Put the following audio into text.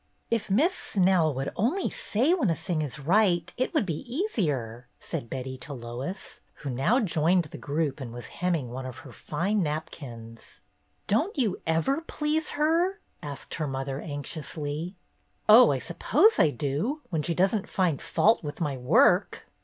" If Miss Snell would only say when a thing is right, it would be easier," said Betty to Lois, who now joined the group and was hemming one of her fine napkins. "Don't you ever please her?" asked her mother, anxiously. " Oh, I suppose I do, when she does n't find fault with my work."